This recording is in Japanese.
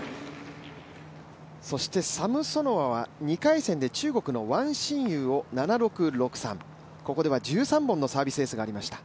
サムソノワは２回戦で中国のワン・シンユーを７−６、６−３、ここでは１３本のサービスエースがありました。